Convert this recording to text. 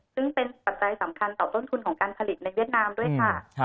ซึ่งเป็นปัจจัยสำคัญต่อต้นทุนของการผลิตในเวียดนามด้วยค่ะ